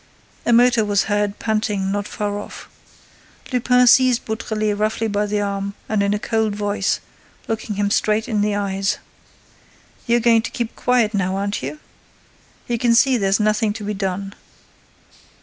A motor was heard panting not far off. Lupin seized Beautrelet roughly by the arm and in a cold voice, looking him straight in the eyes: "You're going to keep quiet now, aren't you? You can see there's nothing to be done.